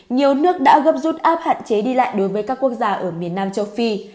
nhiều nước đã gấp rút áp hạn chế đi lại đối với các quốc gia ở miền nam châu phi